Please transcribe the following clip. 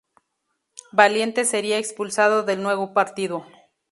Valiente sería expulsado del nuevo partido.